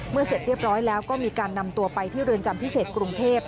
เสร็จเรียบร้อยแล้วก็มีการนำตัวไปที่เรือนจำพิเศษกรุงเทพ